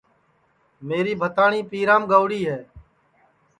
میری بھتاٹؔؔی پیرام گئیوڑی ہے